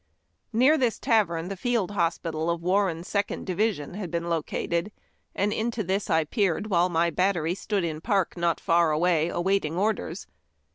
Near this tavern the field hospi tal of Warren's Second Division had been located, and into this I peered while my battery stood in park not far away, awaiting orders.